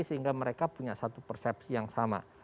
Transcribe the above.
sehingga mereka punya satu persepsi yang sama